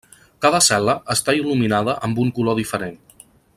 Cada cel·la està il·luminada amb un color diferent.